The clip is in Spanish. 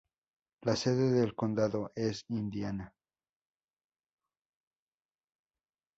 La sede del condado es Indiana.